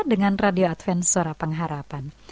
dengan radio advan suara pengharapan